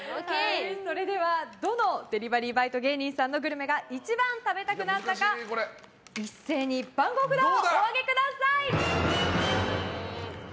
それではどのデリバリーバイト芸人さんのグルメが一番食べたくなったか一斉に番号札をお上げください。